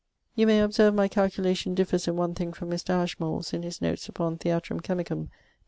You may observe my calculation differs in one thing from Mr. Ashmole's in his notes upon Theatrum Chemicum, p.